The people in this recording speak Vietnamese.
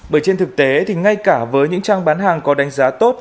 bởi trên thực tế thì ngay cả với những trang bán hàng có đánh giá tốt